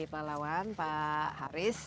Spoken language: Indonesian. pak lawan pak haris